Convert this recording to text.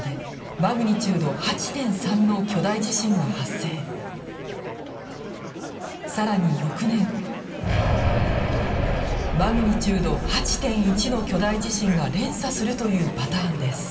マグニチュード８．１の巨大地震が連鎖するというパターンです。